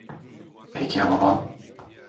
Peki ya baban?